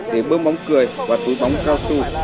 để bơm bóng cười và túi bóng cao tu